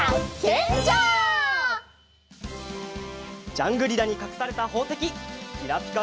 ジャングリラにかくされたほうせききらぴか